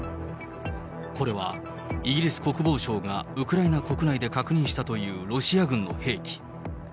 これは、イギリス国防省がウクライナ国内で確認したというロシア軍の兵器。